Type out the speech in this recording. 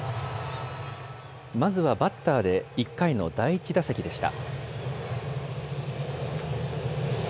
まずはバッターで１回の第１打席でした。